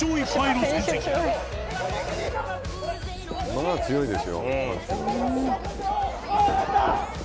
「まあ強いですよ」